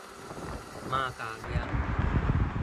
瑪家鄉